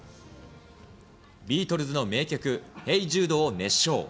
ビートルズの名曲、ヘイ・ジュードを熱唱。